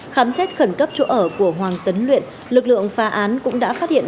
khám xét khẩn cấp chỗ ở của hoàng tấn luyện lực lượng phá án cũng đã phát hiện